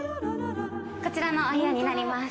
こちらのお部屋になります。